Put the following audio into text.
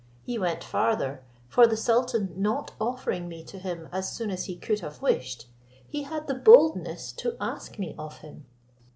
He went farther; for the sultan not offering me to him as soon as he could have wished, he had the boldness to ask me of him.